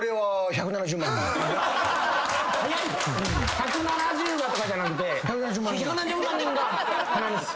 「１７０」がとかじゃなくて「１７０万人」が鼻につく。